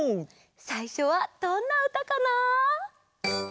さいしょはどんなうたかな？